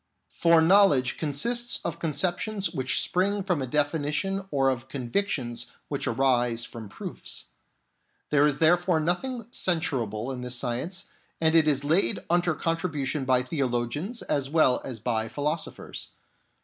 For knowledge consists of conceptions which spring from a definition or of convictions which arise from proofs. There is therefore nothing censurable in this science, and it is laid under contribution by theologians as well as by philosophers.